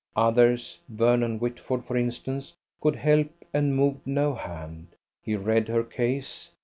Others, Vernon Whitford, for instance, could help, and moved no hand. He read her case.